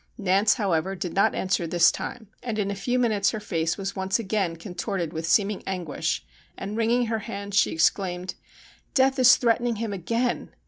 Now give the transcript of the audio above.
Nance, however, did not answer this time, and in a few minutes her face was once again contorted with seeming anguish, and wringing her hands she exclaimed :' Death is threatening him again.